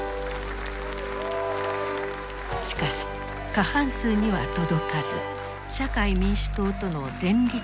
しかし過半数には届かず社会民主党との連立を探ることになった。